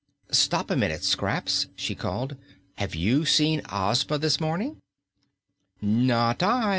"Stop a minute, Scraps!" she called, "Have you seen Ozma this morning?" "Not I!"